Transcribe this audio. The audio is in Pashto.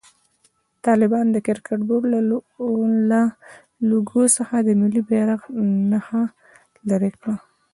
طالبانو د کرکټ بورډ له لوګو څخه د ملي بيرغ نخښه لېري کړه.